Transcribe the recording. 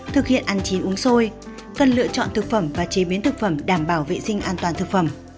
thực hiện ăn chín uống sôi cần lựa chọn thực phẩm và chế biến thực phẩm đảm bảo vệ sinh an toàn thực phẩm